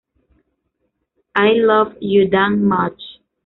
I Love You Damn Much".